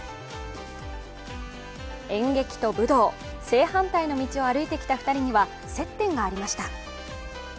演劇と武道、正反対の道を歩いてきた２人には接点がありました。